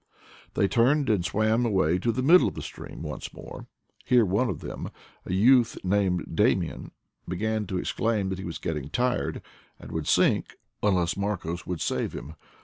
They turned and swam away to the middle of the stream 100 IDLE DATS IN PATAGONIA once more : here one of them, a youth named Da mian, began to exclaim that he was getting tired, and would sink unless Marcos would save him.